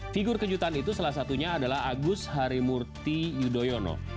figur kejutan itu salah satunya adalah agus harimurti yudhoyono